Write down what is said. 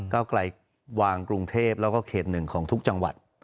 เก้าไกลวางกรุงเทพแล้วก็เขตหนึ่งของทุกจังหวัด